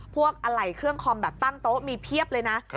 อะไหล่เครื่องคอมแบบตั้งโต๊ะมีเพียบเลยนะ